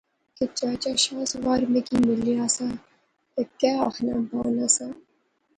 کہ چچا شاہ سوار میں کی ملیا سا تہ کہہ آخنا بانا سا